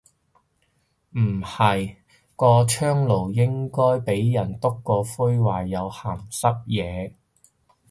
唔係，個窗爐應該俾人篤過灰話有鹹濕野。